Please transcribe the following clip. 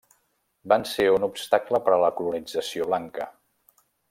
Van ser un obstacle per a la colonització blanca.